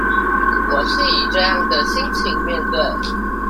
我是以這樣的心情面對